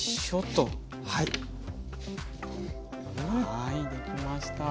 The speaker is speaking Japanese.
はい出来ました。